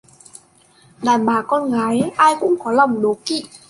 Đàn bà con gái ai cũng có lòng đố kỵ